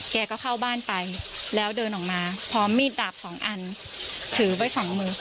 แกก็เข้าบ้านไปแล้วเดินออกมาพร้อมมีดดาบสองอันถือไว้สองมือ